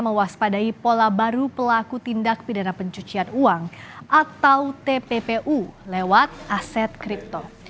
mewaspadai pola baru pelaku tindak pidana pencucian uang atau tppu lewat aset kripto